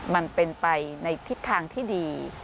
มันเป็นไปในทิศทางที่ดี